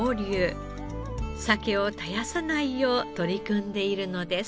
サケを絶やさないよう取り組んでいるのです。